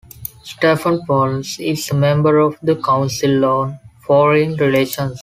Stephanopoulos is a member of the Council on Foreign Relations.